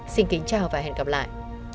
xin kính chào và hẹn gặp lại